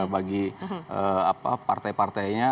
bagi apa partai partainya